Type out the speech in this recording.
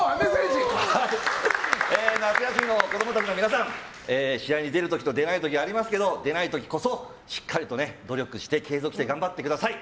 夏休みの子供たちの皆さん試合に出る時と出ない時ありますけど出ない時こそしっかりと努力して継続して頑張ってください！